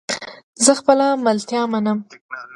زه خپل ملامتیا منم